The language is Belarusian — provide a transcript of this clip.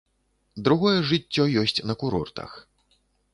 Другое жыццё ёсць на курортах.